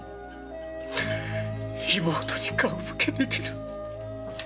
妹に顔向けできぬ。